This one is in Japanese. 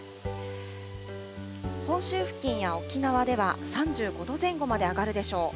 本州付近や沖縄では３５度前後まで上がるでしょう。